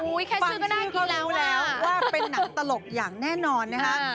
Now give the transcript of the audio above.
โอ้ยแค่ชื่อก็ได้กินแล้วฟังชื่อก็รู้แล้วว่าเป็นหนังตลกอย่างแน่นอนนะฮะ